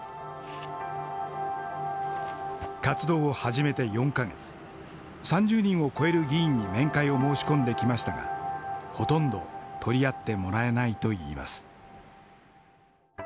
活動を始めて４か月３０人を超える議員に面会を申し込んできましたがほとんど取り合ってもらえないといいます。